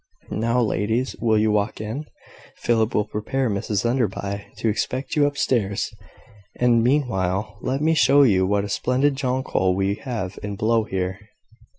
Now, ladies, will you walk in? Philip will prepare Mrs Enderby to expect you up stairs; and, meanwhile, let me show you what a splendid jonquil we have in blow here."